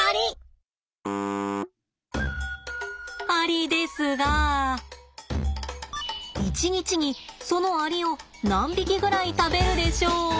アリですが１日にそのアリを何匹ぐらい食べるでしょうか？